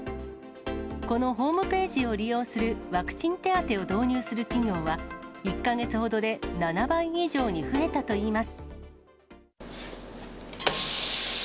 このホームページを利用するワクチン手当を導入する企業は、１か月ほどで７倍以上に増えたといいます。